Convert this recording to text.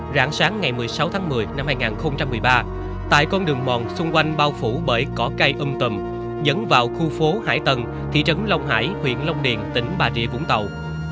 ráng sáng ngày một mươi sáu tháng một mươi năm hai nghìn một mươi ba tại con đường mòn xung quanh bao phủ bởi cỏ cây âm tầm dẫn vào khu phố hải tần thị trấn long hải huyện long điền tỉnh bà rịa vũng tàu